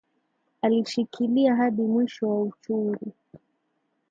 Alishikilia hadi mwisho wa uchungu